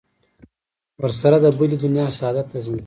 ورسره د بلې دنیا سعادت تضمین کوي.